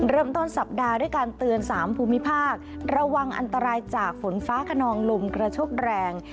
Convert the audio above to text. เริ่มต้นสัปดาห์ด้วยการเตือน๓ภูมิภาคระวังอันตรายจากฝนฟ้าขนองลมกระโชคแรง